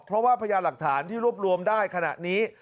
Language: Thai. เพราะว่าพญาหลักฐานที่รวบรวมได้ขณะนี้